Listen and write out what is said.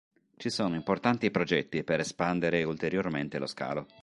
Ci sono importanti progetti per espandere ulteriormente lo scalo.